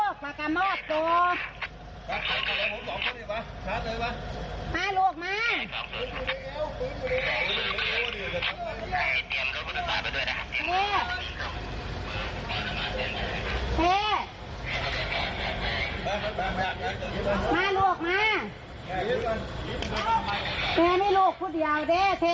แกนี่รู้คนเดียว